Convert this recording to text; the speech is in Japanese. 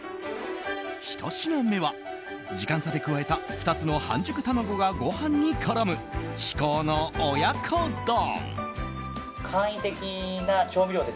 ひと品目は、時間差で加えた２つの半熟卵がご飯に絡む至高の親子丼。